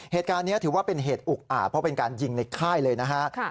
เหตุการณ์นี้ถือว่าเป็นเหตุอุกอาจเพราะเป็นการยิงในค่ายเลยนะฮะ